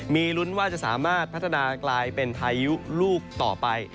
มีลุ้นว่าจะสามารถพัฒนากลายเป็นพายุลูกต่อไป